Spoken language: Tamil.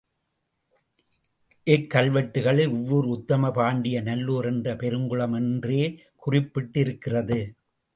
இக்கல்வெட்டுகளில், இவ்வூர், உத்தம பாண்டிய நல்லூர் என்ற பெருங்குளம் என்றே குறிப்பிடப்பட்டிருக்கிறது.